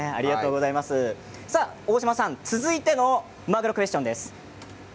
大島さん続いてのまぐろクエスチョンです。